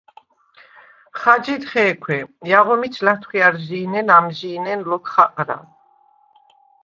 ხაჯიდ ხე̄ქვე: ჲაღო მიჩ ლათხვიარჟი̄ნენ ამჟი̄ნენ ლოქ ხაყრა.